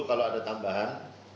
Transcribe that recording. kalau ada tambahan